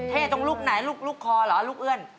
ตรงลูกไหนลูกลูกคอเหรอลูกเอื้อน